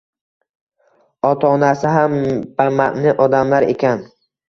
Ota-onasi ham bama`ni odamlar ekan